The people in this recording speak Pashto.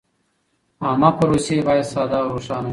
عامه پروسې باید ساده او روښانه وي.